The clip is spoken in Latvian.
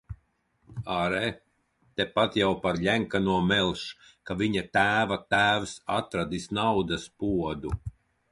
Āre, tepat jau par Ļenkano melš, ka viņa tēva tēvs atradis naudas podu.